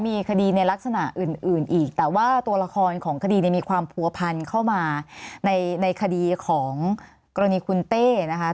มีคดีในลักษณะอื่นอีกแต่ว่าตัวละครของคดีเนี่ยมีความผัวพันเข้ามาในคดีของกรณีคุณเต้นะคะ